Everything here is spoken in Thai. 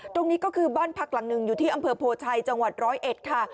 ตรงนี้ก็คือบ้านพักหลังหนึ่งอยู่ที่อำเภอโพชัยจังหวัดร้อยเอ็ดค่ะ